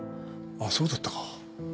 あっそうだったか